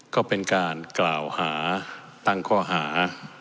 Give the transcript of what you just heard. ก็เป็นการกล่าวหาตั้งข้อหา